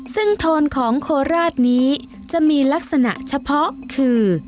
ซึ่งโทนของโคราชนี้จะมีลักษณะเฉพาะคือ